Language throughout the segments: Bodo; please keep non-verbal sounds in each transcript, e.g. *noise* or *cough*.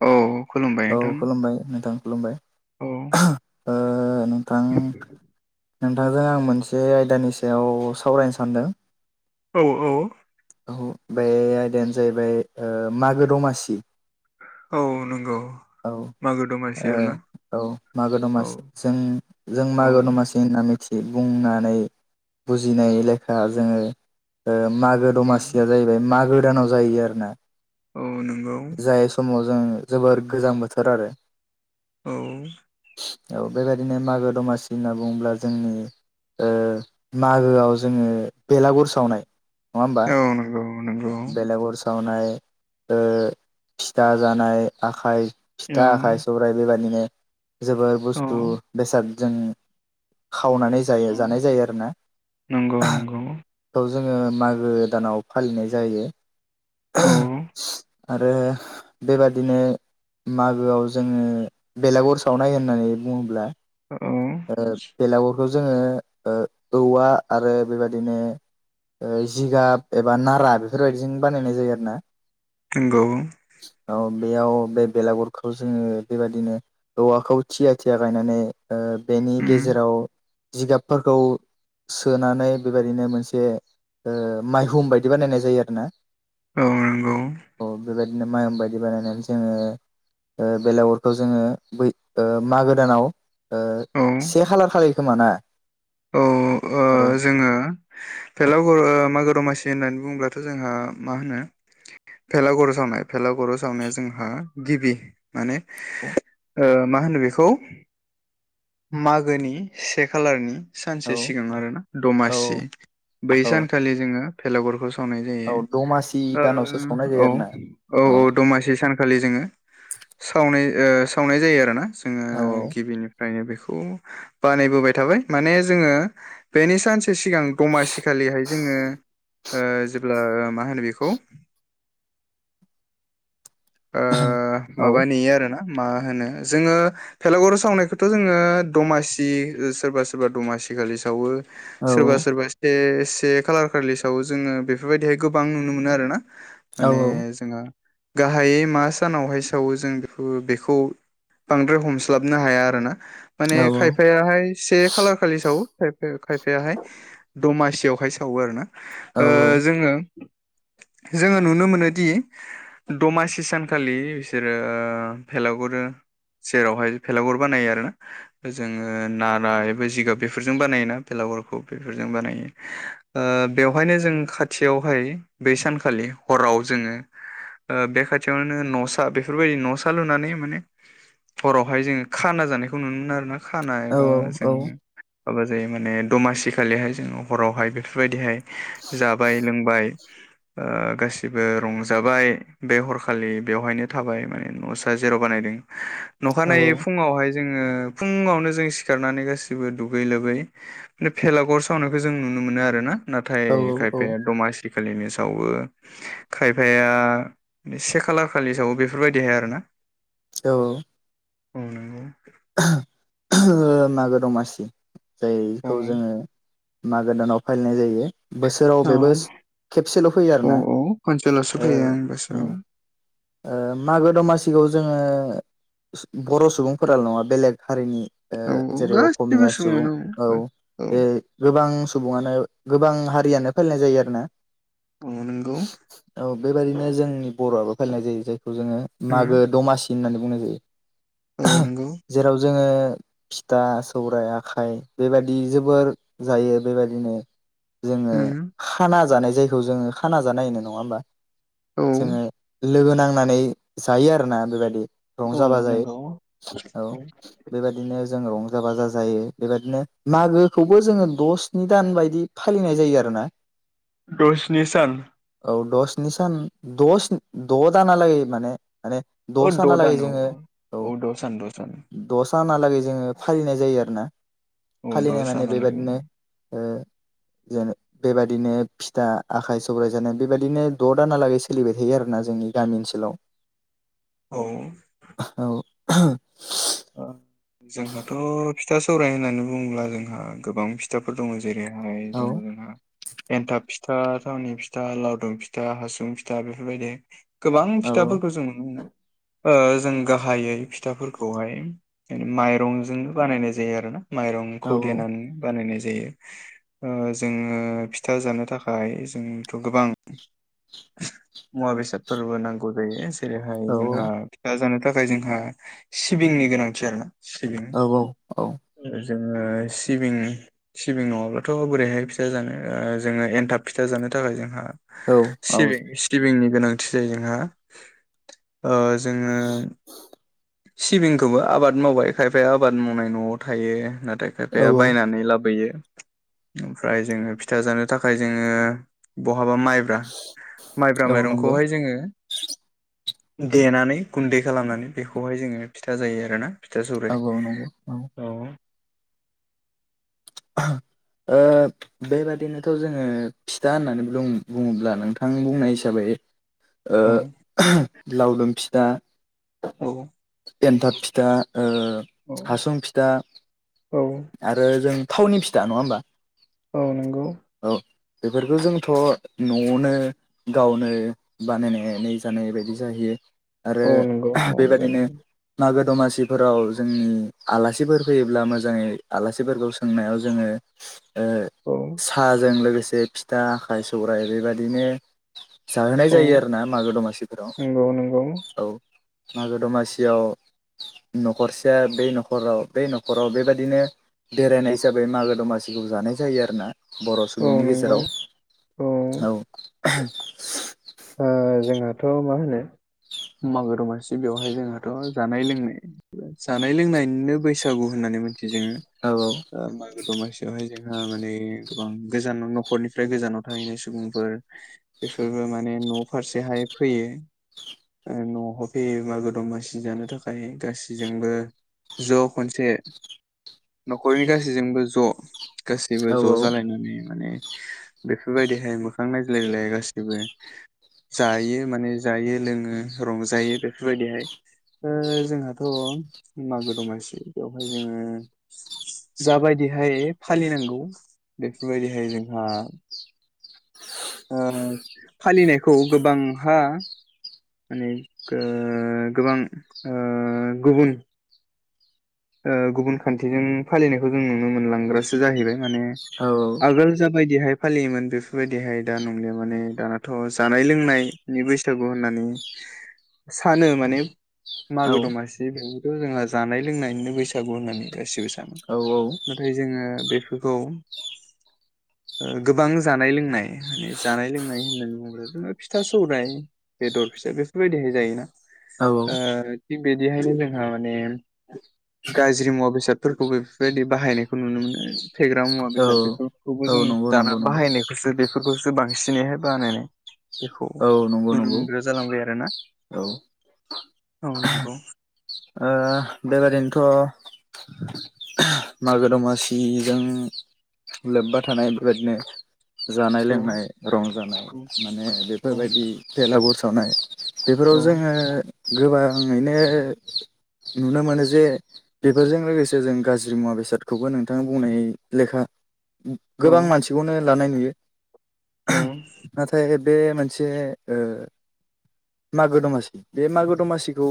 औ खुलुमबाय औ नोंथां खुलुमबाय नोंथां खुलुमबाय। औ ओ नोंथां। नोंथांजों आं मोनसे आयदानि सायाव सावरायनो सानदों। औ औ औ आयदायानो जाहैबाय मागो दमासि। औ नंगौ। मागो दमासि आरोना औ' औ मागो औ दमासि जों जों औ मागो दमासि होनना मिथि बुंनानै बुजिनाय लेखा जोङो ओ मागो उम दमासिया जाहैबाय मागो दानाव जाहायो आरो ना। औ नंगौ। जों जोबोर गोजां बोथोर आरो औ औ बेबायाददिनो मागो दमासि होनना बुङोब्ला जोंनि ओ मागोआव जोङो बेलागुर सावनाय होमबा औ नंगौ नंगौ। बेलागुर सावनाय ओ फिथा जानाय आखाइ औ फिथा आखाइ सौराइ बेबायदिनो जोबोर औ बुस्थु बेसाद जों खावनानै जायो औ जानाय जायो आरो ना। नंगौ नंगौ जोङो मागो दानाव फालिनाय जायो। औ आरो बेबादिनो मागोआव जोङो बेलागुर सावनाय होननानै बुङोब्ला औ ओ बेलागुर बेखौ जोङो औवा आरो बेबायदिनो जिगाब एबा नारा बेफोरबायदिजों बानायनाय जायो आरो ना। नंगौ। औ बेयाव बे बेलागुरखौ जोङो बेबायदिनो औवाखौ थिया थिया गायनानै बेनि उम गेजेराव जिगाबफोरखौ सोनानै बेबायदिनो मोनसे माइहुम बायदि बानायनाय जायो आरोना। औ नंगौ। *unintelligible* बायदि बानायनानै जोङो ओ बेलागुरखौ जोङो बै मागो दानाव ओ औ से खालार खालि खोमा ना? औ ओ औ जोङो *inaudible* मागो दमासि होननानै बुङोब्लाथ' जोंहा मा होनो? भेलाघर' सावनाय भेलाघर' सावनाया जोंहा गिबि माने औ। ओ मा होनो बेखौ मागोनि से खालारनि सानसे औ सिगां आरोना दमासि औ बै औ सानखालि जोङो भेलागुरखौ सावनाय औ जायो। दमासि दानावसो सावनाय जायो औ आरो ना औ औ दमासि सानखालि जोङो सावनाय ओ सावनाय जायो आरोना जोङो औ गिबिनो *unintelligible* बेखौ बानायबोबाय थाबाय माने जोङो बेनि सानसे सिगां दमासि खालिहाय जोङो जेब्ला मा होनो बेखौ ओ औ औ माबा नेयो आरोना। मा होनो जोङो भेलागर सावनायखौथ' जोङो दमासि सोरबा- सोरबा दमासि आथिखालि सावो। औ सोरबा- सोरबा से- से खालार खालि सालों। जोङो बेफोरबायदिहाय गोबां नुनो मोनो आरो ना। औ माने जोंहा हायै मा सानावहाय सावो जों बेखौ- बेखौ बांद्राय हमस्लाबनो हाया आरोना। माने औ खायफायाहाय से खालार खालि सावो खायफाया खायफायाहाय दमासियावहाय सावो आरो ना औ ओ जोङो जोङो नुनो मोनोदि दमासि सानखालि बिसोरो भेलागुर सेरावहाय भेलागुर बानायो आरोना जोङो नारा एबा जिगाब बेफोरजों बानायोना भेलागुर *unintelligible* ओ बेवहायनो जों खाथियावहाय बै सानखालि हराव जोङो ओ बे खाथियावनो न'सा बेफोरबायदि न'सा लुनानै माने हरावहाय जोङो खाना जानायखौ नुनो मोनो आरो ना खाना औ एबा औ जोङो माबा जायो माने दमासि खालिहाय जोङो हरावहाय बेफोरबायदिहाय जाबाय -लोंबाय ओ गासिबो रंजाबाय। बे हरखालि बेवहायनो थाबाय माने न'सा जेराव बानायदों न'खानायै फुङावहाय जोङो फुंआवनो जों सिखारनानै गासिबो दुगै लोबै बे भेलागर सावनायखौ जों नु *unintelligible* मोनो आरोना। औ नाथाय खायफाया दमासि खालि नि सावो खायफाया बे से खालार खालि सावो बेफोरबायदिहाय आरोना। औ ओ नोंगौ‌ मागो दमासि जायखौ जोङो मागो दानाव फालिनाय जायो। बोसोराव औ बेबो खेबसेल' फैयो औ आरोना औ ओनसोलावसो ओ फैयो आंनि उम गोसोआव ओ मागो दमासिखौ जोङो बर' सुबुंफोराल' नङा बेलेग हारिनि ओ औ औ जेरै गासिबो अखमिया सुबुं सुबुङानो औ औ बे गोबां सुबुङानो गोबां हारियानो फालिनाय जायो आरोना। उम नोंगौ। औ बेबायदिनो जोंनि बर'आबो फालिनाय जायो। जायखौ जोङो उम मागो दमासि होननानै बुंनाय जायो। औ नोंगौ। जेराव जोङो फिथा, सौराइ, आखाइ बेबादि जोबोर जायो बेबादिनो जोङो उम खाना जानाय जायखौ जोङो खाना जानाय होनो नङा होमबा? औ जोङो लोगो नांनानै जायो आरोना बेबादि। औ रंजा -बाजायै। नंगौ ओ बेबादिनो जों रंजा बाजा जायो बेबादिनो मागोखौबो जोङो द' स्नि दान बायदि फालिनाय जायो आरोना। द स्नि सान औ द स्नि सान दस द दानालगै माने। माने औ द' दसानालागै दान औ जोङो औ। *unintelligible* फानहालागै जोङो फालिनाय जायो आरोना औ द' फालिनाय माने सानालागै बेबादिनो ओ जानो बेबादिनो फिथा आखाइ सौराइ जानाय बेबादिनो द दानालागै सोलिबाय थायो आरोना जोंनि गामि ओनसोलाव। *inaudible* औ औ ओ-जोंहाथ फिथा सौराय होननानै बुङोब्ला जोंहा गोबां फिथाफोर दङ। जेरैहाय औ दोङो जोंहा। एन्थाब फिथा थावनि फिथा लावदुम फिथा हासुं फिथा बेफोरबायदि। गोबां औ फिथाफोरखौ जों नुनो मोनो ओ-जों गाहायै फिथाफोरखौहाय। माइरंजोंनो बानायनाय जायो आरो ना औ माइरंखौ देनानै बानायनाय। जायो ओ-जोङो फिथा जानो थाखाय जोंथ गोबां मुवा बेसादफोरबो नांगौ जायो। जेरैहाय औ जोंहा फिथा जानो थाखाय जोंहा सिबिंनि गोनांथि आरो ना। औ औ औ जोङो सिबिं-सिबिं नङाब्लाथ बोरैहाय फिथा जानो जोङो एन्थाब फिथा जानो। थाखाय जोंहां औ सिबिं-सिबिंनि। गोनांथि जायो जोंहा ओ-जोङो सिबिं खौबो आबाद मावबाय खायफाया आबाद मावनाय नआव थायो नाथाय औ खायफाया बायनानै लाबोयो। ओमफ्राय जोङो फिथा जानो थाखाय जोङो ब हाबा माइब्रा माइब्रा औ नंगौ माइरंखौहाय जोङो। देनानै गुन्दै खालामनानै बेखौहाय जोङो फिथा जायो आरोना। फिथा औ सौराइ औ नंगौ औ। *unintelligible* ओ बे बादिनोथ जोङो फिथा होननानै बुङोब्ला नोंथां बुंनाय हिसाबै। ओ औ ओह लावदुम फिथा। औ एन्थाब फिथा ओ-हासुं फिथा औ आरो जों। थावनि फिथा नङा होनबा औ नंगौ बेफोरखौ जोंथ नआवनो गावनो बानायनानै जानाय बायदि जाहैयो। आरो औ नंगौ ओह बे न'निफ्राय बादिनो नंगौ मागो दमासिफोराव जो आलासिफोर फैयोब्ला मोजाङै आलासिफोरखौ सोंनायाव जोङो। ए ओ औ साहाजों लोगोसे फिथा आखाइ सौरायाइ बे बाददिनो। जाहोनाय औ जायो आरो ना मागो दमासिफोराव नंगौ नंगौ औ मागो दमासि याव नखरसेया बै नखराव बै नखराव बे बायदिनो। बेरायनाय हिसाबै मागो दमासिखौ जानाय जायो आरो ना। बर औ सुबुंनि नंगौ गेजेराव औ ओह थ मा होनो मागो दमासि बेवहाय जोंहाथ जानाय लोंनाय जानाय लोंनायनो बैसागु होननानै मोन। जोङो औ ओ-मागो दमासियावहाय जोंहा माने गोबां गोजानाव नखरनिफ्राय गोजानाव थाहैनाय सुबुंफोर बेफोरबो मा माने न फारसेहाय फैयो। ओ-नआव फैयो मागो दमासि जानो थाखाय गासै जोंबो। ज खनसे नखरनि गासैजोंबो ज गासैबो औ ज जालायनानै माने बेफोर बायदिहाय मोखां नायज्लायलाय गाैबो। जायो माने जायो लोङो रंजायो बेफोर बायदिहाय। ओ जोंहाथ' मागो दमासि बेवहाय जोङो जाबाय दिहाय फालिनांगौ बेफोर बायदिहाय जोंहा ओ फालिनायखौ गोबांहा माने गो गोबां ओ गुबुन ओ गुबुन खान्थिजों फालिनायखौ जों नुनो मोनलांग्रासो जाहैबाय माने औ आगोल जा बेफोर बायदिहाय फालियोमोन बेफोर बायदिहाय दा नंलिया माने दानाथ' जानाय लोंनायनि बैसागु होनना सानो माने औ मागो दमासि बेबोथ' जोंहा जानाय लोंनायनिनो बैसाग होननानै गासिबो सानो औ नाथाय जोङो बे बेखौ ओ गोबां जानाय लोंनाय माने जानाय लोंनाय होननानै बुङोब्ला बिदिनो फिथा सौराइ बेदर फिथाइ बेफोर बायदिहाय जायोना ओ बिदिहायनो जोंहा माने गाज्रि मुवा बेसादफोरखौबो बेफोर बायदि बाहायनो खौ नुनो मोनो फेग्रा मुवा औ बेसाद बेफोरखौबो औ जों नंगौ दाना नंगौ नंगौ बाहायनायखौसो बे फोरखौसो बांसिनैहाय बानायनाय बेखौ औ नंगौ नुनो नंगौ मोनग्रा जालांबाय आरोना। औ ओ औ नंगौ बे‌ बादे बेन्थ' मागो दमासिजों लोब्बा थानाय बे बायदिनो जानाय औ लोंनाय रंजानाय औ माने औ बेफोर बायदि बेलागुरु सावनाय। बेफोराव जोङो गोबाङैनो नुनो मोनो जे बेफोरजों लोगोसे जों गाज्रि मुवा बेसादखौबो नोंथाङा बुंनाय लेखा गोबां मानसिखौनो लानाय नुयो नाथाय बे मोनसे ओ मागो दमासि बे मागो दमासिखौ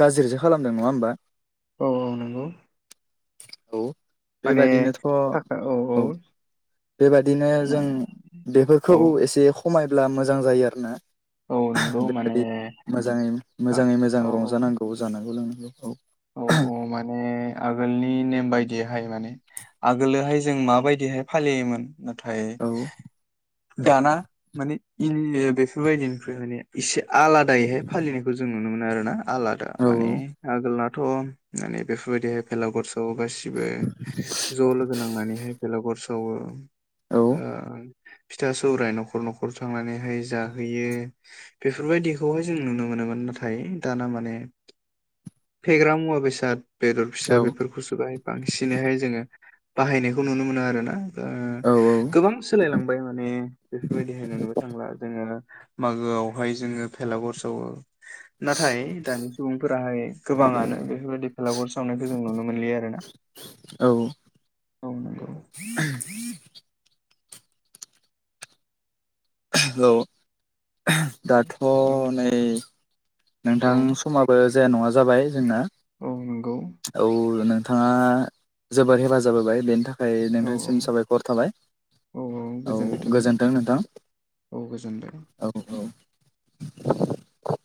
गाज्रिसो खालामदों नङा होमबा? औ औ नंगौ। औ माने बेबादिनोथ' औ। बेबादिनो जों औ बेफोरखौ एसे खमायब्ला मोजां जायो आरोना। औ नंगौ माने बेबायदि मोजाङै औ मोजाङै मोजां औ रंजानांगौ जानांगौ लोंनांगौ औ। औ औ माने आगोलनि नेम बायदिहाय माने। आगोलोहाय जों माबायदिहाय फालियोमोन नाथाय औ दाना माने इ बेफोरबायदिनिफ्राय माने इसे आलादायैहाय फालिनायखौ जों नुनो मोनो आरो ना आलादा औ माने आगोलना थ' माने बेफोरबायदिहाय भेलागुर सा खौ गासिबो ज' लोगो नांनानैहाय बेलागुर सावो औ ओ फिथा सौराय न'खर न'खर थांनानैहाय जाहोयो बेफोरबायदिखौहाय जों नुनो मो नोमोन नाथाय दाना माने *inaudible* फेग्रा मुवा बेसाद बेदर फिसा बेफोरखौसो बाहाय बांसिनैहाय जोंङो बाहायनायखौ नुनो मोनो आरो ना। ओ औ गोबां सोलायलांबाय माने बेफोरबायदिहाय नुबो थांला जोङो। मागोआवहाय जोङो भेलाघर सावो नाथाय दानि सुबुंफोराहाय गोबाङानो बेफोरबायदि भेलागुर सावनायखौ जों नुनो मोनलिया आरो ना। औ। हेलौ दाथ' औ नै औ नोंथां समाबो जाया नङा जाबाय जोंना। औ नंगौ। थाङा जोबोर हेफाजाब होबाय बेनि थाख खाय औ नोंथांसिम साबायखर थाबाय औ गोजोन्थों नोंथां। औ गोजोनबाय औ औ।